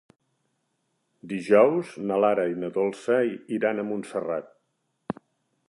Dijous na Lara i na Dolça iran a Montserrat.